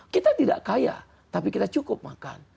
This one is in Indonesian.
kita tidak kaya tapi kita cukup makan